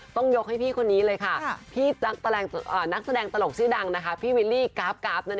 ต้องยกให้พี่คนนี้เลยนะคะหนักแสดงตลกชื่อดังพี่วิลลีคราวนั้น